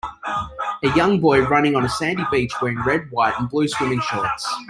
A young boy running on a sandy beach wearing red, white, and blue swimming shorts.